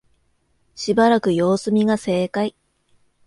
しばらく様子見が正解